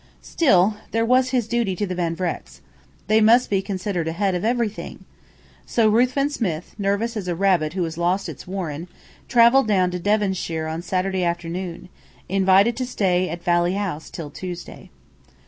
Still, there was his duty to the Van Vrecks. They must be considered ahead of everything! So Ruthven Smith, nervous as a rabbit who has lost its warren, travelled down to Devonshire on Saturday afternoon, invited to stay at Valley House till Tuesday.